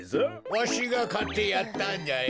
わしがかってやったんじゃよ。